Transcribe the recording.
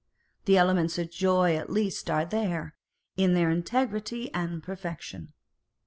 The elements of joy at least are there, in their integrity and perfection.